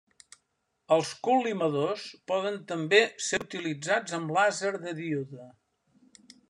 Els col·limadors poden també ser utilitzats amb làser de díode.